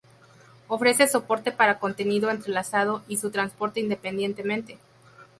Ofrece soporte para contenido entrelazado, y su transporte independientemente.